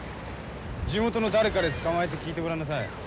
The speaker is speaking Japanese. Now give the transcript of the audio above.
地元の誰彼捕まえて聞いてごらんなさい。